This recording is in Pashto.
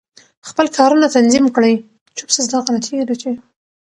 خپل کارونه تنظیم کړئ.